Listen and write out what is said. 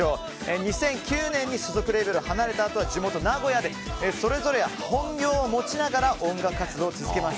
２００９年に所属レーベルを離れたあと地元・名古屋でそれぞれ本業を持ちながら音楽活動を続けます